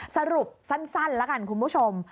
สรุปสั้นแล้วกันคุณผู้ชม